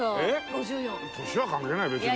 ５４。年は関係ない別に。